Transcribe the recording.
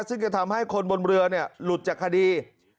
ซึ่งจะทำให้คนบนเรือหลุดจากคดี